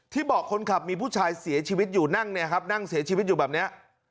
ที่บอกคนขับมีผู้ชายเสียชีวิตอยู่นั่งเสียชีวิตอยู่แบบนี้